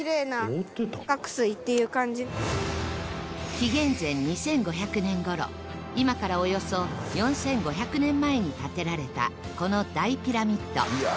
紀元前２５００年頃今からおよそ４５００年前に建てられたこの大ピラミッド